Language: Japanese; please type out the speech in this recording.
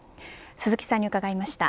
鈴木さんに伺いました。